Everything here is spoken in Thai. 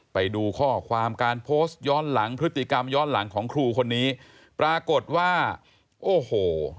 ไปดูข้อความการโพสต์ย้อนหลังพฤติกรรมย้อนหลังของครูคนนี้ปรากฏว่าโอ้โห